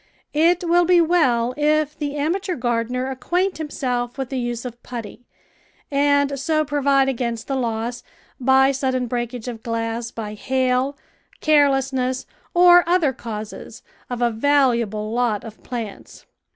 It will be well if the amateur gardener acquaint himself with the use of putty, and so pro vide against the loss, by sudden breakage of glass by hail, carelessness, or other causes, of a valuable lot of plants.